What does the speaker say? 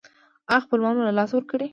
ایا خپلوان مو له لاسه ورکړي؟